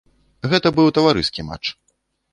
Гэта быў таварыскі матч.